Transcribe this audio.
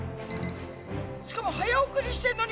しかも早送りしてんのに。